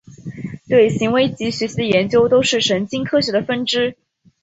对行为及学习的研究都是神经科学的分支。